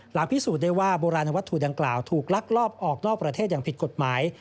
พิสูจน์ได้ว่าโบราณวัตถุดังกล่าวถูกลักลอบออกนอกประเทศอย่างผิดกฎหมาย